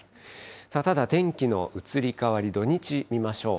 さあ、ただ天気の移り変わり、土日見ましょう。